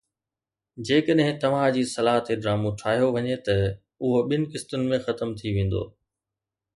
جيڪڏهن توهان جي صلاح تي ڊرامو ٺاهيو وڃي ته اهو ٻن قسطن ۾ ختم ٿي ويندو